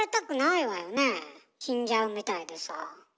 死んじゃうみたいでさ。